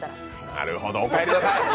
なるほど、お帰りなさい！